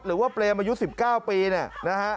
หรือว่าเปรมอายุ๑๙ปีเนี่ยนะฮะ